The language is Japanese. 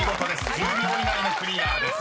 ［１０秒以内のクリアです］